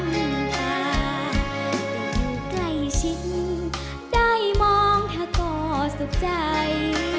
แต่อยู่ใกล้ชิ้นได้มองเธอก็สุขใจ